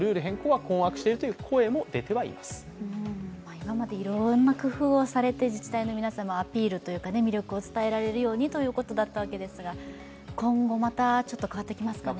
今までいろんな工夫をされて自治体の皆様アピールというか魅力を伝えられるようにということだったわけですが、今後またちょっと変わってきますかね。